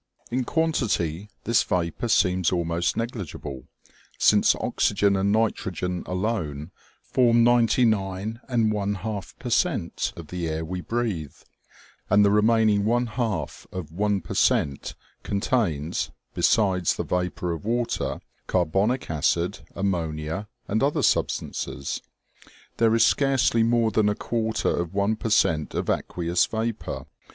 In quantity this vapor seems almost negli gible, since oxygen and nitrogen alone form ninety nine and one half per cent, of the air we breathe ; and the remaining one half of one per cent, contains, besides the vapor of water, carbonic acid, ammonia and other sub stances. There is scarcely more than a quarter of one per cent, of aqueous vapor.